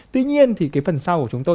tuy nhiên thì cái phần sau của chúng tôi